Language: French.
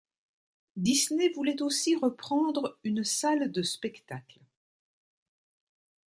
Disney voulait aussi reprendre une salle de spectacle.